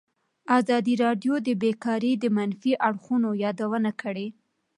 ازادي راډیو د بیکاري د منفي اړخونو یادونه کړې.